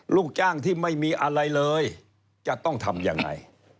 ลูกจ้างที่ไม่มีอะไรเลยจะต้องทำยังไง